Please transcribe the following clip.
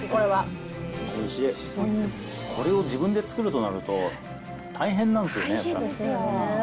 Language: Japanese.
これを自分で作るとなると大変なんですよね、やっぱり。